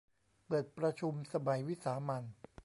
เปิดประชุมสมัยวิสามัญ